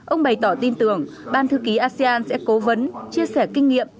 ông bày tỏ tin tưởng ban thư ký asean sẽ cố vấn chia sẻ kinh nghiệm